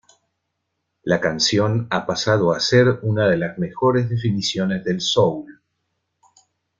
La canción ha pasado a ser una de las mejores definiciones del soul.